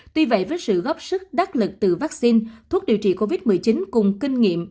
tuy vậy với sự góp sức đắc lực từ vaccine thuốc điều trị covid một mươi chín cùng kinh nghiệm